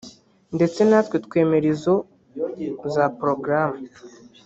ndetse natwe twemera izo za porogaramu